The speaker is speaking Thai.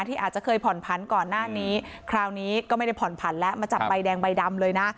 ที่อาจจะเคยผ่อนผันก่อนหน้านี้คราวนี้ก็ไม่ได้ผ่อนผันแล้วมาจับใบแดงใบดำเลยนะ